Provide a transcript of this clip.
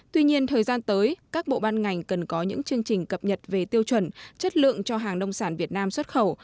tuy nhiên thời gian tới các bộ ban ngành cần có những chương trình cập nhật về tiêu chuẩn chất lượng cho hàng nông sản việt nam xuất khẩu